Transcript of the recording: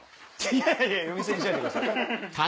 いやいや呼び捨てにしないでください。